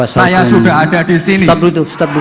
saya sudah ada disini